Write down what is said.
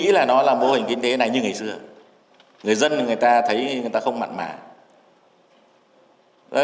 nghĩ là nó là mô hình kinh tế này như ngày xưa người dân người ta thấy người ta không mặn mà